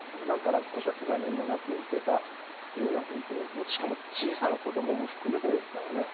１人の落後者、けが人もなくいけたっていうのは、本当に、しかも小さな子どもも含めてですからね。